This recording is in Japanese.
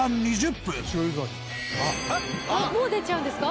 本仮屋：もう出ちゃうんですか？